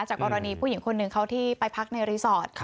กรณีผู้หญิงคนหนึ่งเขาที่ไปพักในรีสอร์ท